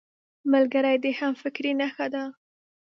ملګری د همفکرۍ نښه ده